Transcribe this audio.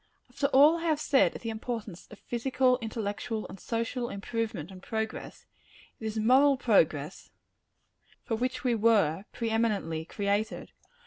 After all I have said of the importance of physical, intellectual and social improvement and progress, it is moral progress for which we were, pre eminently, created.